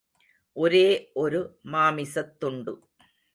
ஒரே ஒரு மாமிசத்துண்டு.